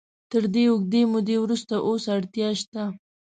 تر دې اوږدې مودې وروسته اوس اړتیا شته.